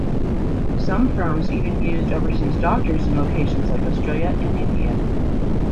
Some firms even used overseas doctors in locations like Australia and India.